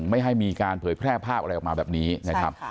ไม่ให้มีการเผยแพร่ภาพอะไรออกมาแบบนี้นะครับ